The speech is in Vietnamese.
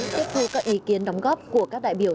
tiếp thu các ý kiến đóng góp của các đại biểu